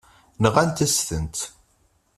Nɣant-asent-tt.